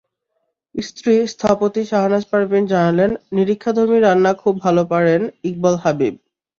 স্ত্রী স্থপতি শাহনাজ পারভীন জানালেন, নিরীক্ষাধর্মী রান্না খুব ভালো পারেন ইকবাল হাবিব।